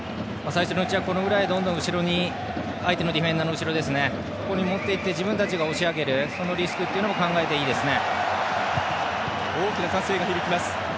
最初のうちは、どんどん相手のディフェンダーの後ろに持っていって自分たちが押し上げるそのリスクも考えていいですね。